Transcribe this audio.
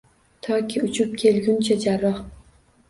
Toki uchib kelguncha jarroh